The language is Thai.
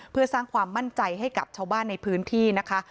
เพื่อสร้างความมั่นใจให้กับชาวบ้านในพื้นที่นะคะ